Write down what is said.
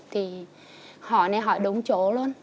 thì hỏi này hỏi đúng chỗ luôn